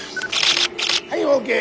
はいオーケー。